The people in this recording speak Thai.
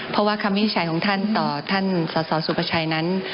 เพราะว่าคำวินิจฉัยของท่านต่อท่านสสสุภาชัยนั้น